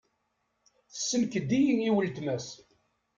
Tessenked-iyi i uletma-s.